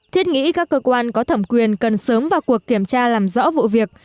thiết nghĩ các cơ quan có thẩm quyền cần sớm vào cuộc kiểm tra làm rõ vụ việc